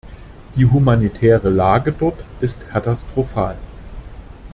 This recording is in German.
Die humanitäre Lage dort ist katastrophal.